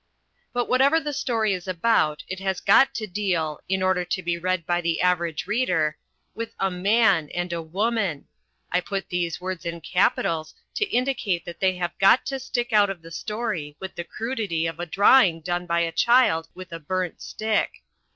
But whatever the story is about it has got to deal in order to be read by the average reader with A MAN and A WOMAN, I put these words in capitals to indicate that they have got to stick out of the story with the crudity of a drawing done by a child with a burnt stick.